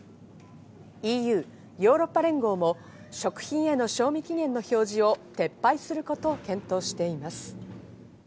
ＥＵ＝ヨーロッパ連合も食品への賞味期限の表示を撤廃することを検討しています。